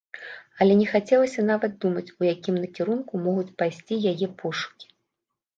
Але не хацелася нават думаць, у якім накірунку могуць пайсці яе пошукі.